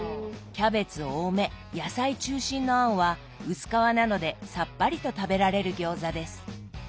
キャベツ多め野菜中心の餡は薄皮なのでさっぱりと食べられる餃子です。